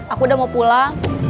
aku udah mau pulang